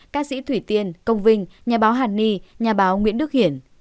ca sĩ thủy tiên công vinh nhà báo hàn ni nhà báo nguyễn đức hiển